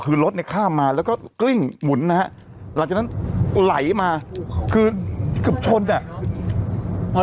คือรถเนี่ยข้ามมาแล้วก็กลิ้งหมุนนะฮะหลังจากนั้นไหลมาคือเกือบชนอ่ะ